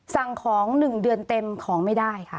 สั่งของ๑เดือนเต็มของไม่ได้ค่ะ